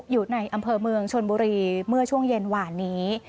อยู่ในอำเภอเมืองชนบุรีเมื่อช่วงเย็นหวานนี้